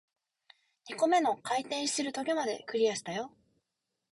二個目の回転している棘まで、クリアしたよ